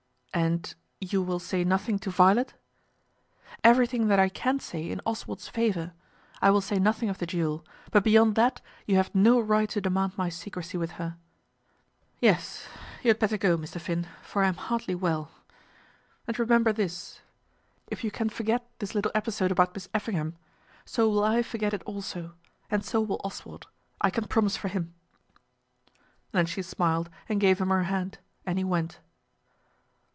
"And you will say nothing to Violet?" "Everything that I can say in Oswald's favour. I will say nothing of the duel; but beyond that you have no right to demand my secrecy with her. Yes; you had better go, Mr. Finn, for I am hardly well. And remember this, If you can forget this little episode about Miss Effingham, so will I forget it also; and so will Oswald. I can promise for him." Then she smiled and gave him her hand, and he went.